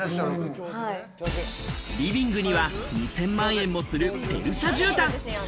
リビングには２０００万円もするペルシャ絨毯。